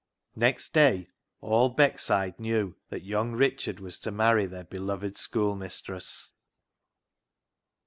Next day all Beckside knew that young Richard was to marry their beloved school mistress.